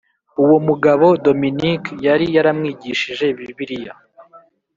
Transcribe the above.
uwo mugabo Dominic yari yaramwigishije Bibiliya